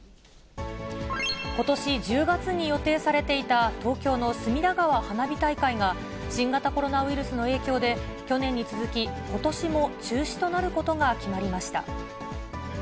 ことし１０月に予定されていた、東京の隅田川花火大会が、新型コロナウイルスの影響で、去年に続き、ことしも中止となることが決まりました。